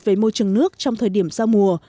về môi trường nước trong thời điểm giao mùa